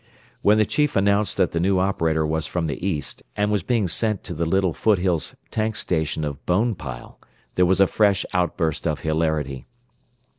When the chief announced that the new operator was from the east, and was being sent to the little foothills tank station of Bonepile, there was a fresh outburst of hilarity.